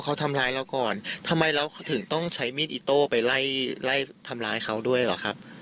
เขาทำร้ายเราก่อนทำไมเราถึงต้องใช้มีดอิโต้ไปไล่ไล่ทำร้ายเขาด้วยเหรอครับ